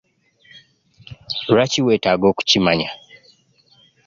Lwaki weetaaga okukimanya?